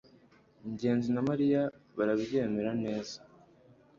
ngenzi na mariya barabyemera. neza